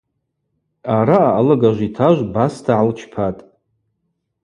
Араъа алыгажв йтажв баста гӏалчпатӏ.